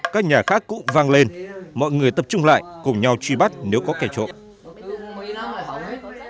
các nhà khác cũng vang lên mọi người tập trung lại cùng nhau truy bắt nếu có kẻ trộm